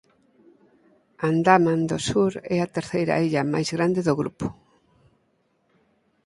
Andaman do Sur é a terceira illa máis grande do grupo.